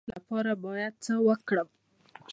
د زړه د درد لپاره باید څه وکړم؟